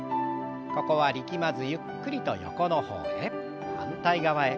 ここは力まずゆっくりと横の方へ。